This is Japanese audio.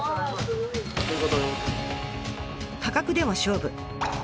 価格でも勝負。